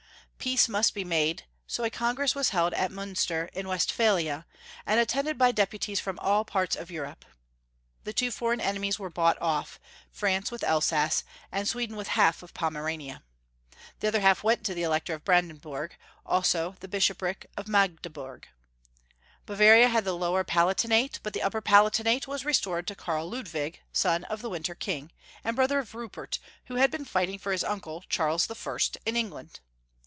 Peace must be made; so a congress was held at Miinster in Westphalia, and attended by deputies from all parts of Europe. The two foreign enemies were bought off — France with Elsass, and Sweden with half Pomerania. The other half went to the Elector of Brandenburg, also the bishopric of Magdeburg ; Bavaria had the lower Palatinate, but the upper Palatinate was re stored to Karl Ludwig, the son of the Winter King, and brother of Rupert, who had been fighting for his uncle, Charles I., in England.